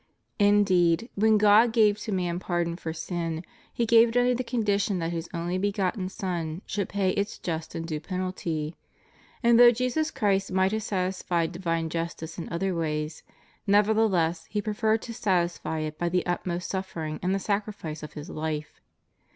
Indeed, when God gave to man pardon for sin. He gave it under the condition that His only begotten Son should pay its just and due penalt}^; and though Jesus Christ might have satisfied divine justice in other ways, never theless He preferred to satisfy it by the utmost suffering and the sacrifice of His life.